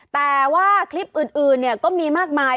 แต่ว่าคลิปอื่นก็มีมากมาย